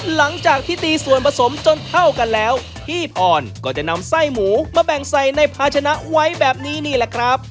หลังจากที่ตีส่วนผสมจนเข้ากันแล้วพี่พรก็จะนำไส้หมูมาแบ่งใส่ในภาชนะไว้แบบนี้นี่แหละครับ